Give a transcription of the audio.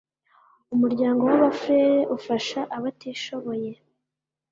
umuryango w’ abafurere ufasha abatishoboye.